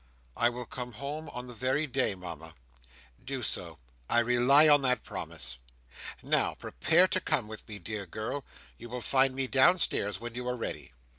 "I will come home on the very day, Mama" "Do so. I rely on that promise. Now, prepare to come with me, dear girl. You will find me downstairs when you are ready."